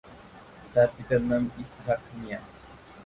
তার পিতার নাম ইসহাক মিয়া।